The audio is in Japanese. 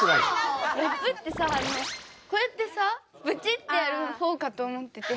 ラップってさこうやってさブチッてやるほうかと思ってて。